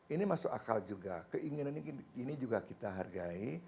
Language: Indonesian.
ini masuk akal juga keinginan ini juga kita hargai